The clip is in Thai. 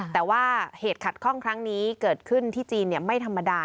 แต่ว่าเหตุขัดข้องครั้งนี้เกิดขึ้นที่จีนไม่ธรรมดา